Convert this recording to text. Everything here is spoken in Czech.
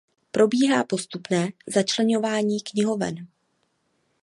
Probíhá postupné začleňování knihoven.